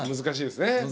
難しいですね。